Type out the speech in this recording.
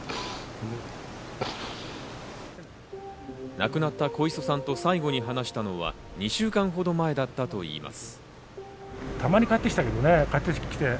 亡くなった小磯さんと最後に話したのは２週間ほど前だったといいます。